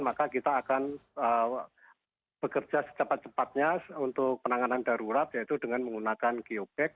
maka kita akan bekerja secepat cepatnya untuk penanganan darurat yaitu dengan menggunakan geopak